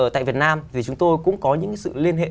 tại việt nam thì chúng tôi cũng có những sự liên hệ